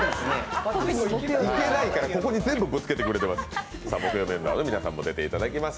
行けないからここに全部ぶつけてくれてます。